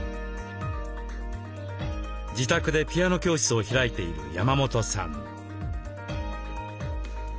自宅でピアノ教室を開いている山本さん。